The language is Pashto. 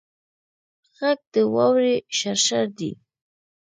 غږ د واورې شرشر دی